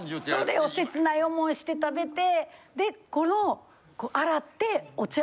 それを切ない思いして食べてでこの。